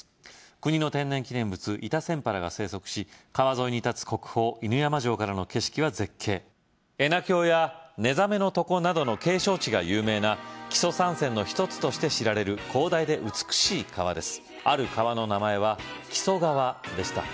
国の天然記念物イタセンパラが生息し川沿いに建つ国宝犬山城からの景色は絶景恵那峡や寝覚の床などの景勝地が有名な木曽三川の１つとして知られる広大で美しい川ですある川の名前は木曽川でした